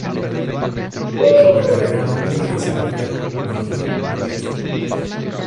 Su verdadero nombre es Alfredo Novillo López.